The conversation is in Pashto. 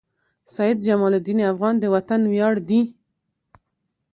سيد جمال الدین افغان د وطن وياړ دي.